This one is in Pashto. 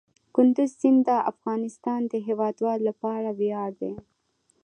کندز سیند د افغانستان د هیوادوالو لپاره ویاړ دی.